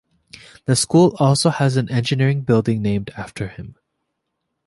The school also has an engineering building named after him.